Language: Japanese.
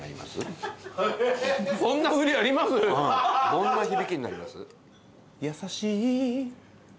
どんな響きになります？